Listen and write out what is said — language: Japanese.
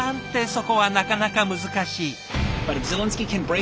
そこはなかなか難しい。